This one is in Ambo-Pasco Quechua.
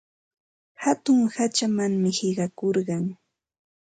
Hatun hachamanmi qiqakurqun.